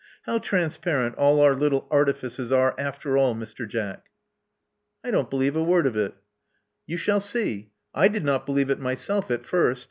How transparent all our little artifices are after all, Mr. Jack!*' I don't believe a word of it." You shall see. I did not believe it myself at first.